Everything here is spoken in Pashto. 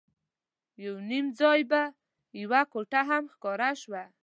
یو نیم ځای به یوه کوټه هم ښکاره شوه.